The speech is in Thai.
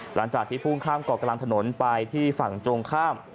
หลังจากที่พุ่งข้ามเกาะกลางถนนไปที่ฝั่งตรงข้าม